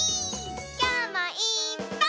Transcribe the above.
きょうもいっぱい。